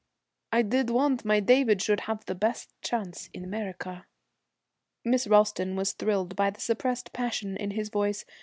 I did want my David should have the best chance in America.' Miss Ralston was thrilled by the suppressed passion in his voice.